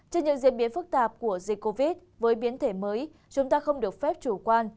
trên những diễn biến phức tạp của dịch covid với biến thể mới chúng ta không được phép chủ quan